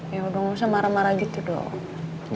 ya udah gak usah marah marah gitu doang